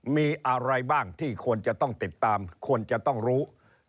มีอะไรบ้างที่ควรจะต้องติดตามควรจะต้องรู้